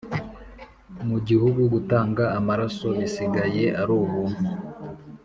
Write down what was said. mu gihugu gutanga amaraso bisigaye arubuntu